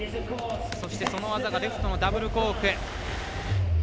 そして、その技がレフトのダブルコーク。